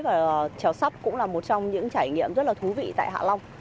và treo sắt cũng là một trong những trải nghiệm rất là thú vị tại hạ long